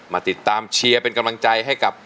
มาติดตามเชียร์เป็นกำลังใจให้กับ